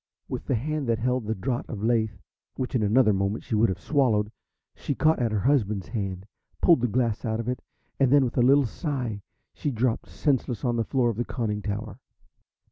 With the hand that held the draught of Lethe which in another moment she would have swallowed she caught at her husband's hand, pulled the glass out of it, and then with a little sigh she dropped senseless on the floor of the conning tower.